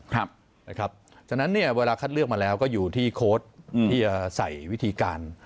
เพราะฉะนั้นเนี่ยเวลาคัดเลือกมาแล้วก็อยู่ที่โค้ดที่จะใส่วิธีการ